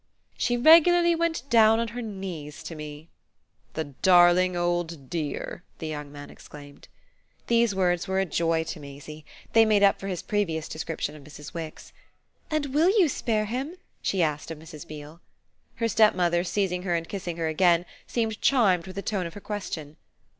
"She regularly went down on her knees to me." "The darling old dear!" the young man exclaimed. These words were a joy to Maisie they made up for his previous description of Mrs. Wix. "And WILL you spare him?" she asked of Mrs. Beale. Her stepmother, seizing her and kissing her again, seemed charmed with the tone of her question.